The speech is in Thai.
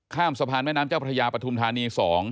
ข้ามสะพานแม่น้ำเจ้าพระยาปฐุมธานี๒